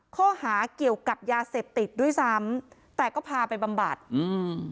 ข้อหาเกี่ยวกับยาเสพติดด้วยซ้ำแต่ก็พาไปบำบัดอืม